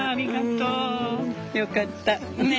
よかった。ね。